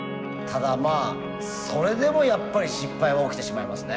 ただまあそれでもやっぱり失敗は起きてしまいますね。